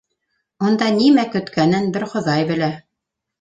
Унда нимә көткәнен бер Хоҙай белә.